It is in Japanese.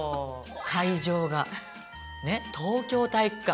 会場が東京体育館。